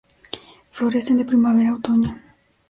Florecen de primavera a otoño.